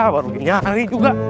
baru nyari juga